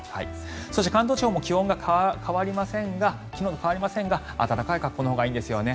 関東地方も気温が昨日と変わりませんが暖かい格好のほうがいいんですよね。